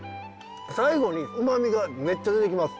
最後にうまみがめっちゃ出てきます。